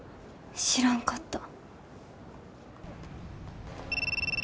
知らんかった。